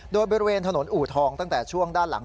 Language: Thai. โดยบริเวณถนนอู่ทองตั้งแต่ช่วงด้านหลัง